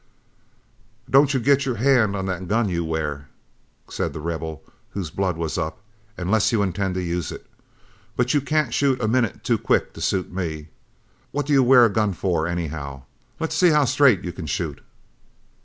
"Don't get your hand on that gun you wear," said The Rebel, whose blood was up, "unless you intend to use it. But you can't shoot a minute too quick to suit me. What do you wear a gun for, anyhow? Let's see how straight you can shoot."